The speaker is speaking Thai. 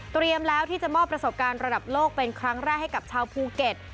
แล้วที่จะมอบประสบการณ์ระดับโลกเป็นครั้งแรกให้กับชาวภูเก็ต